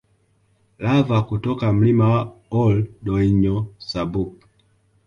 Lava kutoka Mlima wa Ol Doinyo Sabuk